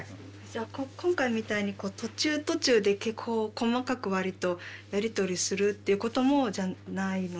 じゃあ今回みたいに途中途中でこう細かくわりとやり取りするっていうこともないので。